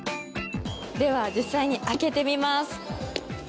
では実際に開けてみます。